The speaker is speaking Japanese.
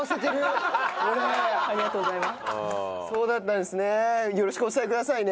そうだったんですね。